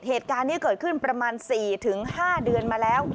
เหตุการณ์นี้เกิดขึ้นประมาณ๔๕เดือนมาแล้ว